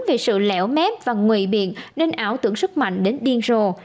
vì sự lẻo mép và nguy biện nên ảo tưởng sức mạnh đến điên rồ